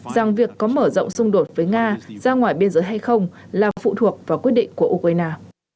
rằng việc có mở rộng xung đột với nga ra ngoài biên giới hay không là phụ thuộc vào quyết định của ukraine